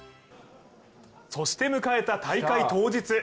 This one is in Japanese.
そして迎えた大会当日。